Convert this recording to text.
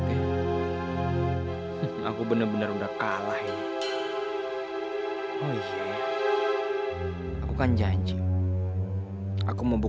jangan coba coba mendekat sama ayahmu